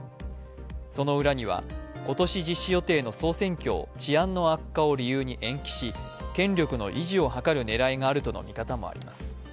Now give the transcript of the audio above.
その裏には今年実施予定の総選挙を治安の悪化を理由に延期し、権力の維持を図る狙いがあるとの見方もあります。